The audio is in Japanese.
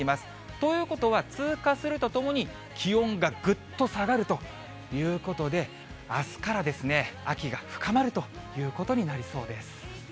ということは、通過するとともに、気温がぐっと下がるということで、あすから秋が深まるということになりそうです。